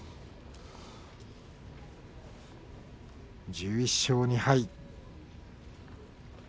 １１勝２敗。